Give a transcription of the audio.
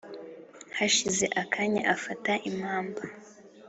hashize akanya, afata impamba